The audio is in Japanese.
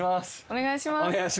お願いします。